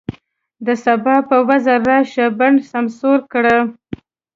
د سبا په وزر راشه، بڼ سمسور کړه